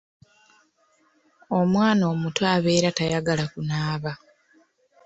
Omwana omuto abeera tayagala kunaaba.